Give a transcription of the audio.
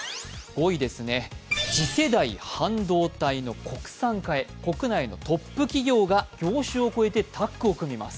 ５位ですね、次世代半導体の国産化へ国内のトップ企業が業種を超えてタッグを組みます。